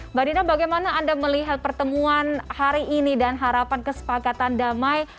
mbak dina bagaimana anda melihat pertemuan hari ini dan harapan kesepakatan damai